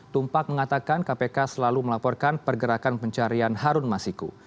tumpak mengatakan kpk selalu melaporkan pergerakan pencarian harun masiku